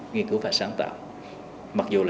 nghiên cứu và sáng tạo mặc dù là